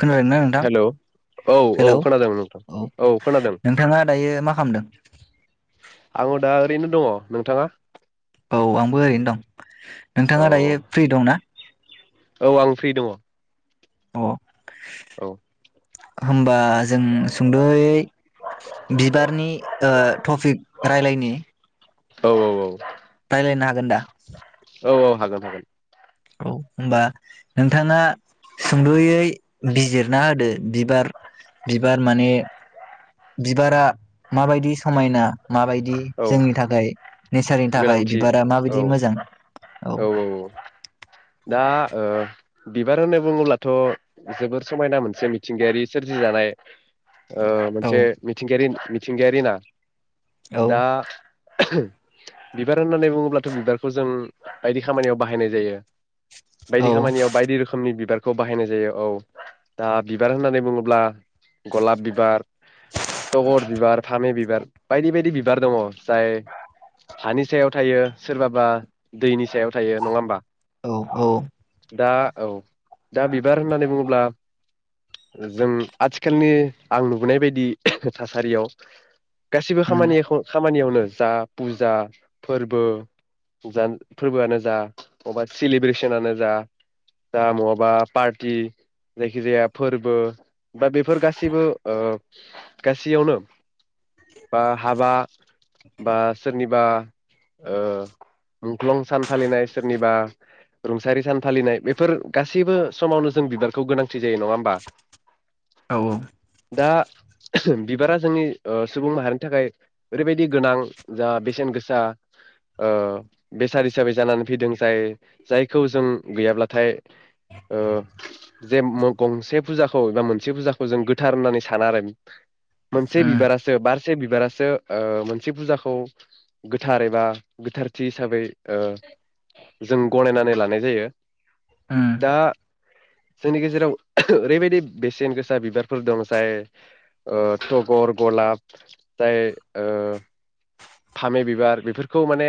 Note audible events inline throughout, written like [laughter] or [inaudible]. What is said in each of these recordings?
खोनादोंना नोंथां हेलौ औ हेलौ खोनादों नोंथां औ खोनादों नोंथाङा दायो मा खालामदों आङो दा ओरैनो दङ नोंथाङा? औ आंबो ओरैनो दं औ नोंथाङा दायो फ्रि दंना? औ आं फ्रि दङ। अ औ होनबा जों सुंदयै बिबारनि ओ टपिक रायलायनि औ औ औ लायनो हागोन दा? औ औ हागोन हागोन। औ होनबा नोंथाङा सुंद'यै बिजिरना होदो बिबार बिबार माने बिबारा माबायदि समायना माबायदि औ जोंनि थाखाय नेसारनि थाखाय गोनांथि बिबारा माबायदि औ औ मोजां? औ। दा ओ बिबार होननानै बुङोब्लाथ जोबोर समायना मोनसे मिथिंगायारि सोरजिजानाय ओ औ मोनसे मिथिंगायारि मिथिंगयारि ना। औ दा बिबार होननानै बुङोब्लाथ बिबारखौ जों बायदि खामानियाव बाहायनाय जायो। बायदि औ खामानियाव बायदि रोखोमनि बिबार। बेखौ बाहायनाय जायो औ दा बिबार होननानै बुङोब्ला गलाब बिबार तगर बिबार फामे बिबार बायदि बायदि बि बिबार दङ जाय हानि सायाव थायो सोरबाबा दैनि सायाव थायो नङा होमबा औ औ दा। औ। दा बिबार होननानै बुङोब्ला जों आथिखालनि आं नुबोनाय बायदि थासारियाव गासिबो उम खामानिखौ। खामानियावनो जा फुजा फोरबो फोरबोआनो जा बबा सेलिब्रेसनानो जा जा बहाबा पार्टि जायखिजाया फोरबो बा बेफोर गासिबो। गासैयावनो बा हाबा। बा सोरनिबा ओ मुंख्लं सान फालिनाय सोरनिबा रुंसारि सान फालिनाय बेफोर गासैबो समावनो जों बिबारखौ गोनांथि जायो नङा होमबा औ दा बिबारा जोंनि सुबुं माहारिनि थाखाय। ओरैबायदि गोनां जा बेसेन गोसा ओ बेसाद हिसाबै जानानै फैदों जाय जायखौ जों गैयाब्लाथाय ओ जे गंसे फुजाखौ एबा मोनसे फुजाखौ जों गोथार होननानै साना आरो। मोनसे उम बिबारासो बारस से बिबारासो। ओ मोनसे फुजाखौ गोथार एबा गोथारथि हिसाबै जों गनायनानै लानाय जायो। उम दा। जोंनि गेजेराव ओरैबायदि बेसेन गोसा बिबारफोर दं जाय ओ तगर गलाब जाय ओ फामे बिबार बेफोरखौ माने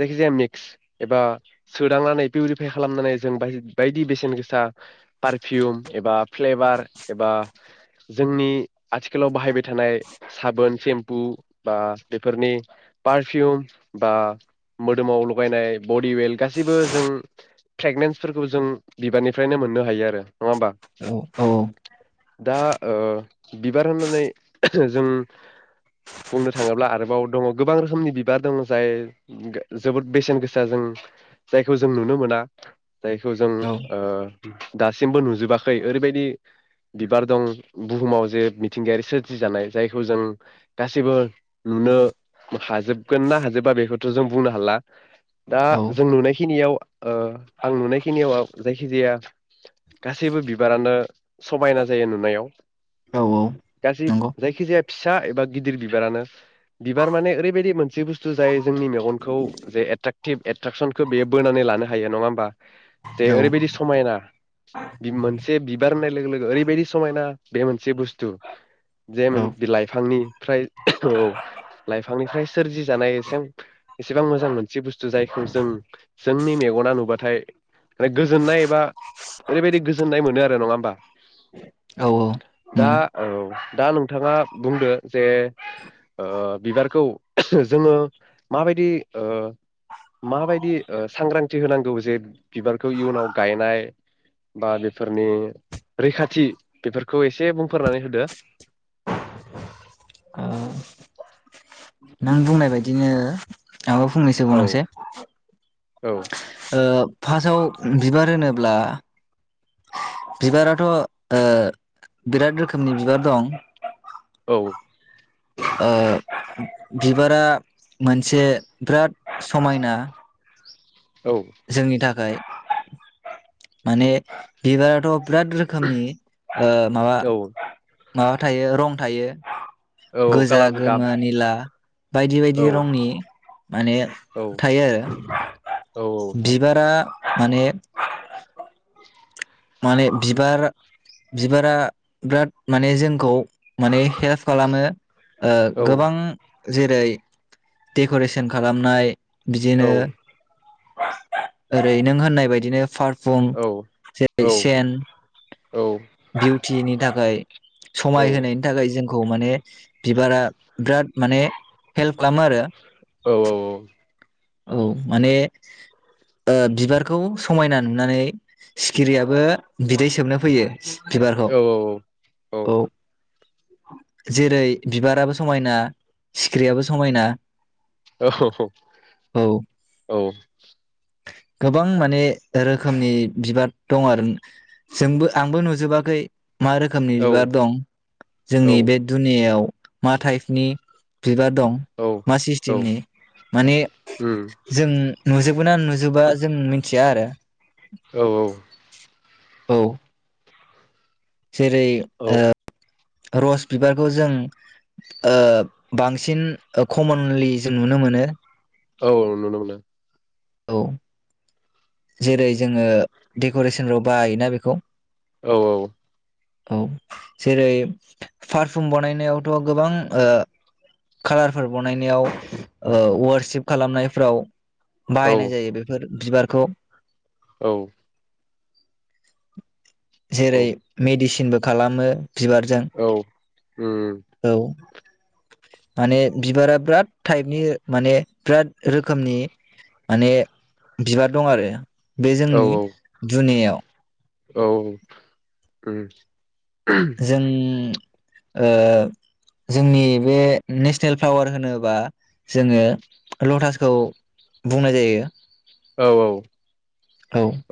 जायखिजाया मिक्स एबा सोदांनानै पिउरिफाय खालामनानै जों बायदि बेसेन गोसा पारफिउम एबा फ्लेभार एबा जोंनि आथिखालाव बाहायबाय थानाय साबोन सेम्पु। बा बेफोरनि पारफिउम बा मोदोमाव लगायनाय बडि वेल गासैबो जों फ्रेगनेेन्सफोरखौ जों बिबारनिफ्रायनो मोननो हायो आरो। होमबा औ औ। दा ओ बिबार होनानै जों। बुंनो थाङोब्ला आरोबाव दङ गोबां रोखोमनि बिबार दङ जाय जोबोद बेसेन गोसा जों जायखौ जों नुनो मोना। जायखौ जों औ ओ दासिमबो नुजोबाखै ओरैबायदि बिबार दं बुहुमाव जे मिथिंगायारि सोरजिजानाय जायखौ जों। गाससिबो नुनो हाजोबगोन ना हाजोबा बेखौथ'जों बुंनो हाला। दा औ जों नुनाय खि बे खिनियाव आं नुनायखिनियाव जायखि जाया गासैबो बिबारानो समायना जायो नुनायाव। औ गासिब नंगौ जायखिजाया फिसा एबा गिदिर बिबारानो बिबार माने ओरैबायदि मोनसे बुस्थु जाय जोंनि मेगनखौ जे एट्राकटिभ एट्राकसनखो बेयो बोनानै लानो हायो नङा होमबा । जे औ ओरैबायदि समायना । मोनसे बिबार होननाय लोगो लोगो ओरैबायदि समायना बे मोनसे बुस्थु जे औ बि लाइफांनि ओमफ्राय औ लायफांनिफ्राय सोरजिजानाय एसां एसेबां मोनसे मोजां बुस्थु जायखौ जों जोंनि मेगना नुबाथाय माने गोजोननाय एबा ओरैबायदि गोजोननाय मोनो आरो नङा होमबा औ दा मोनो औ दा नोंथाङा बुंदो। जे ओ बिबारखौ जोङो माबायदि ओ माबायदि ओ सांग्रांथि होनांगौ जे बिबारखौ इयुनाव गायनाय बा बेफोरनि रैखाथि बेफोरखौ एसे बुंफोरनानै होदो । ओ [unintelligible] नों बुंनाय बायदिनो । आब' फंनैसो औ बुंनायसाय। औ ओ फासाव बिबार होनोब्ला । बिबाराथ ओ बिराद रोखोमनि बिबार दं औ। ओ बिबारा मोनसे बिराद समायना औ एमफाय माने बिबाराथ । बिराद रोखोमनि ओ माबा औ माबा थायो रं थायो। औ गोजा कालार गाब गोमो निला। बायदि औ बायदि रंनि। माने औ थायो आरो। औ बिबारा माने माने बिबार बिबारा बिराद माने जोंखौ माने हेल्प खालामो । औ ओ गोबां जेरै देकरेसन खालामनाय। बिदिनो ओरै नों होननाय बायदिनो फार्ग बुम औ जे औ सेेन औ [unintelligible] फियिनि थाखाय औ औ समाय होनायनि थाखाय जों खौ माने बिबारा बिराद माने हेल्प खालामो आरो। औ औ औ। औ माने ओ बिबारखौ समायना नुनानै सिखिरियाबो बिदै सोबनो फैयो। बिबारखौ औ औ औ औ। जेरै बिबाराबो समायना सिखिरियाबो समायना ओहोऔ [inaudible] औ गोबां माने रोखोमनि बिबार दं आरो जोंबो आंबो नुजोबाखै मा रोखोमनि बिबार दं जोंनि बे दुनियाव मा टाइपनि बिबार दं मा सिस्टेमनि माने जों नुजोबो ना नुजोबा जों मिथिया आरो औ औ औ जेरै औ ओ रस बिबारखौ जों ओ बांसिन कमनलि जों नुनो मोनो। औ नुनो मोननो औ जेरै जोङो डेकरेसनफ्राव बायोना बेखौ औ औ औ जेरै पारफुम बानायनायावथ गोबां ओ कालारफोर बनायनायाव ओ वारसिप खालामनायफ्राव औ बाहायनाय जायो बेफोर बिबारखौ औ औ जेरै मेडिसिनबो खालामो बिबारजों उम औ माने बिबारा बिराद टाइपनि माने बिराद रोखोमनि माने बिबार दं आरो बे औ जोंनि दुनियाव औ उम जों ओ जोंनि बे नेसनेल फ्लावार होनोबा जोङो लटासखौ बुंनाय जायो। औ औ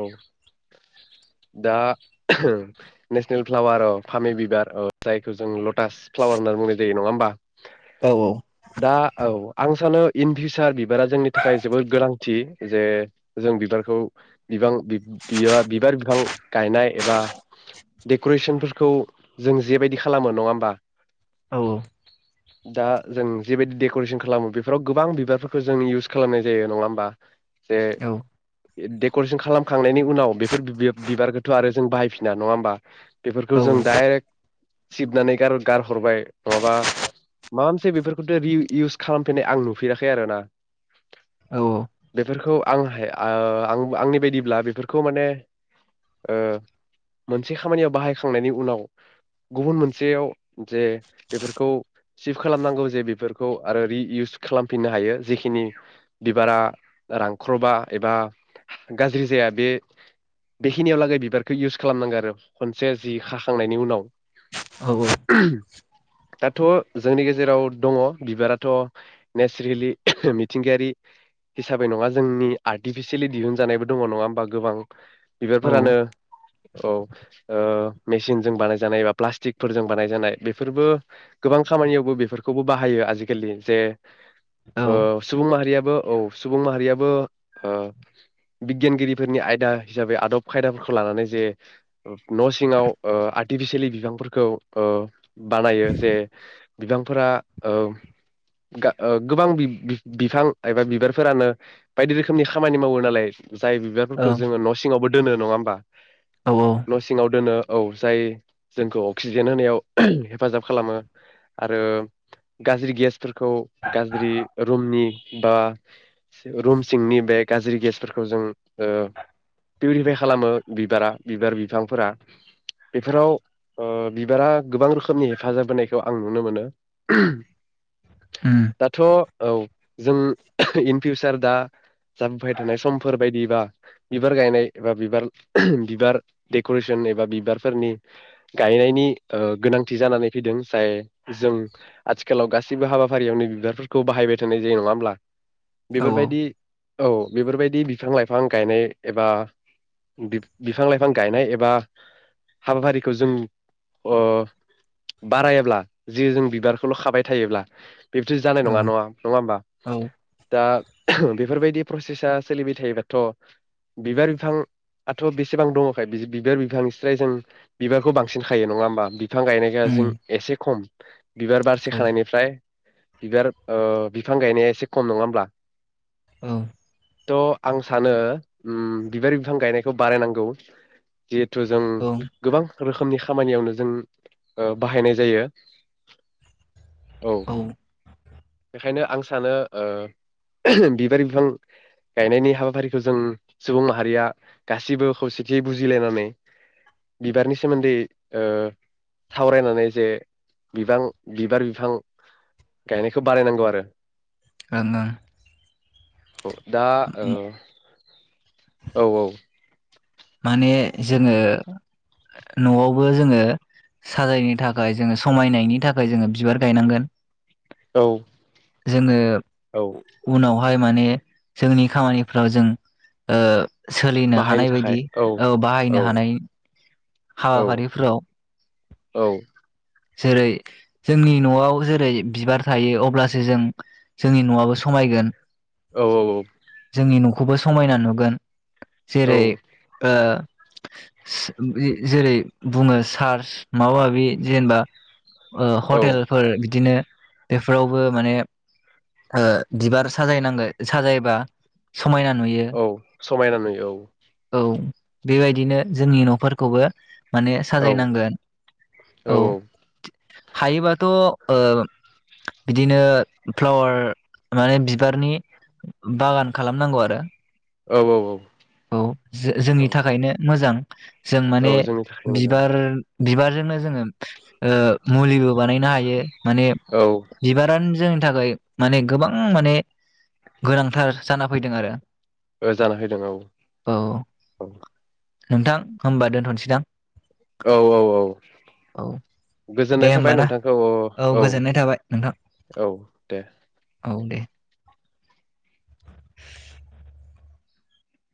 औ दा नेसनेल फ्लावार फामि बिबार जायखौ जों लटास फ्लावार होननानै बुंनाय जायो नङा होमबा? औ दा औ आं सानो इन फिउसार बिबारा जोंनि थाखाय जोबोद गोनांथि जे जों बिबारखौ बिबां बि बि बिबार बिफां गायनाय एबा डेकरेसनफोरखौ जों जेबायदि खालामो नङा होमबा औ औ दा जों जेबायदि डेकरेसन खालामो बेफोराव गोबां बिबारफोरखौ जों इउस खालामनाय जायो नङा होमबा बे औ [inaudible] डेक खालामखांनायनि उनाव बेफोर बिबा बिबारखौथ' आरो जों बाहायफिना नङा होमबा। औ बेफोरखौ जों डाइरेक्ट सिबनानै गार गारहरबाय नङाबा माबा मोनसे बेफोरखौथ' रि इउस खालामफेरनाय आं नुफेराखै आरोना औ बेफोरखौ आं हाय ओ आं आंनि बायदिब्ला बेफोरखौ माने ओ मोनसे खामानियाव बाहायखांनायनि उनाव गुबुन मोनसेयाव जे बेफोरखौ सिफ खालामनांगौ जे बेफोरखौ आरो रि इउस खालामफिननो हायो जेखिनि बिबारा रानख्रबा एबा। गाज्रि जाया बे बेखिनियावलागै बिबारखौ इउस खालामनांगो आरो खनसे जि हाखांनायनि उनाव औ औ दाथ' जोंनि गेजेराव दङ बिबाराथ' नेचेरेलि मिथिंगायारि हिसाबै नङा जोंनि आर्टिफिसियेलि दिहुन जानायबो दङ नङा होमबा गोबां। औ बिबारफोरानो औ ओ मेसिंजों बानायजानाय एबा प्लास्टिकफोरजों बानायजानाय बेफोरबो गोबां खामानियावबो बेफोरखौबो बाहायो आजिखालि जे ओ सुबुं माहारियाबो औ सुबुं माहारियाबो ओ बिगियानगिरिफोरनि आयदा हिसाबै आदब खायदाफोरखौ लानानै जे ओ न' सिङाव ओ आर्टिफिसियेलि बिफांफोरखौ ओ बानायो जे बिफांफोरा ओ गा ओ गोबां बि-बि-बिफां एबा बिबारफोरानो बायदि रोखोमनि खामानि मावो नालाय जाय बिबारफोरखौ ओं जोङो न' सिङावबो। दोनो नङा होमबा औ न' सिङाव दोनो औ जाय जोंखौ अक्सिजेन होनायाव हेफाजाब खालामो आरो गाज्रि गेसफोरखौ गाज्रि रुमनि बा सि रुम सिंनि बे गाज्रि गेसफोर खौ जों ओ फिरिफायद खालामो बिबारा बिबार बिफांफोरा बेफोराव ओ बिबारा गोबां रोखोमनि हेफाजाब होनायखौ आं नुनो मोनो उम दाथ' औ जों इन फिउचार दा जानफाय थानाय सम फोर बायदिबा बिबार गायनाय एबा बिबार बिबार देक'रेसन एबा बिबारफोरनि गायनायनि ओ गोनांथि जानानै फैदों जाय जों आथिखालाव गासैबो हाबाफारियावनो बिबारफोरखौ बाहायबाय थानाय जायो नङा होमब्ला औ बेफोरबायदि औ बेफोरबायदि बिफां-लाइफां गायनाय एबा बि-बिफां-लाइफां गायनाय एबा हाबाफारिखौ जों ओ बारायाब्ला जि जों बिबारखौल' खाबाय थायोब्ला बिब्दि जानाय नङा नङा नङा होमबा औ औ दा बेफोरबायदि प्रसेसा सोलिबाय थायोबाथ' बिबार बिफां आथ' बेसेबां दङखाय बि-बिबार बिफांनिफस्राय जों बिबारखौ बांसिन खायो नङा होमबा बिफां गायनाया जों उम एसे खम। बिबार बारसे औ खानायनिफ्राय बिबार ओ बिफां गायनाया एसे खम नङा होमब्ला औ द आं सानो उम बिबार बिफां गायनायखौ बारायनांगौ जिहेथु जों औ ओं गोबां रोखोमनि खामानियावनो जों ओ बाहायनाय जायो। औ ओं बेखायनो आं सानो ओ बिबारि बिफां गायनायनि हाबाफारिखौ जों सुबुं माहारिया गासिबो खौसेथियै बुजिलायनानै बिबारनि सोमोन्दै ओ सावरायनानै जे बिबां बिबार बिफां गायनायखौ बारायनांगौ आरो। आरोना औ दा ओ औ औ माने जोङो नआवबो जोङो साजायनो थाखाय जोङो समायनायनि थाखाय जोङो बिबार गायनांगोन। औ जोङो औ उनाव हाय माने जोंनि खामानिफ्राव जों ओ सोलिनो बाहायनो हानाय थाखाय बायदि। औ बाहायनो औ हानाय औ हाबाफारिफोराव औ जेरै जोंनि न'आव जेरै बिबार थायो अब्लासो जों जोंनि न'आबो समायगोन। औ औ औ। नि न'खौबो समायना नुगोन‌। औ जेरै ओ सि बि जेरै बुङो चार्च माबा माबि जेनेबा ओ औ हटेलफोर बिदिनो एफोरावबो माने ओ बिबार साजायनांगोन साजायोबा समायना नुयो। औ समायना नुयो औ बेबायदिनो जोंनि न'फोरखौबो माने औ साजायनांगोन औ। हायोबाथ'ओ बिदिनो फ्लावार माने बिबारनि बागान खालामनांगौ आरो। औ औ औ। औ जो-जोंनि औ थाखायनो मोजां। जों माने औ जोंनि थाखायनो मोजां बिबार बिबार जोंनो जोङो ओ मुलिबो बानायनो हायो माने औ बिबारानो जों नि थाखाय माने गोबां माने गोनांथार जाना फैदों आरो। ओ जाना फैदों औ। औ औ। नोंथां होमबा दोनथ'नोसैदां? औ औ औ औ दे गोजोननाय होमबा थाबाय ना नोंथांखौ औ औ गोजोननाय थाबाय नोंथां औ दे। औ दे [inaudible]